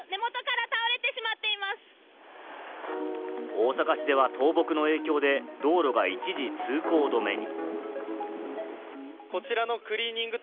大阪市では倒木の影響で道路が一時通行止めに。